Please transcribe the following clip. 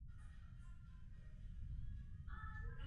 Bankovky menších hodnot se v oběhu vyskytly zřídka.